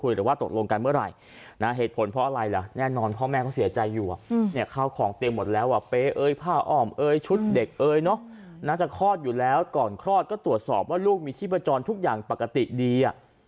เด็กเอ้ยเนอะน่าจะคลอดอยู่แล้วก่อนคลอดก็ตรวจสอบว่าลูกมีชีพจรทุกอย่างปกติดี